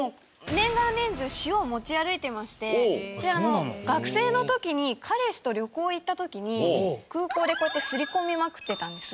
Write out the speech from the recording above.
年がら年中塩を持ち歩いてまして学生の時に彼氏と旅行へ行った時に空港でこうやってすり込みまくってたんです。